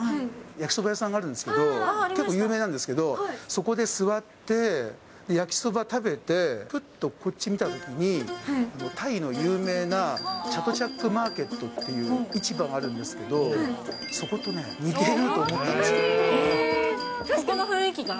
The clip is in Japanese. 焼きそば屋さんがあるんですけど、結構有名なんですけど、そこで座って、焼きそば食べて、ふっとこっち見たときに、タイの有名なチャトゥチャック・マーケットっていう市場があるんですけど、ここの雰囲気が？